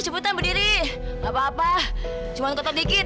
cepetan berdiri gak apa apa cuma gotot dikit